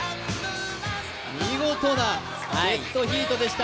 見事なデッドヒートでした。